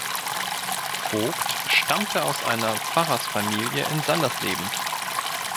Voigt stammte aus einer Pfarrersfamilie in Sandersleben.